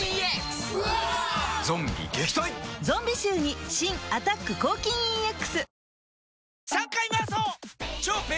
ゾンビ臭に新「アタック抗菌ＥＸ」